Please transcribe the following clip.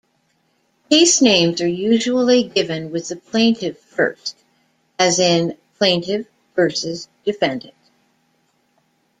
Case names are usually given with the plaintiff first, as in "Plaintiff versus Defendant".